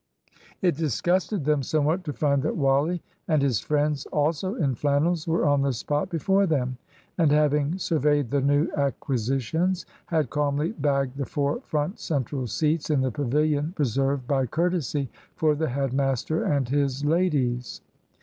It disgusted them somewhat to find that Wally and his friends also in flannels were on the spot before them, and, having surveyed the new acquisitions, had calmly bagged the four front central seats in the pavilion reserved by courtesy for the head master and his ladies.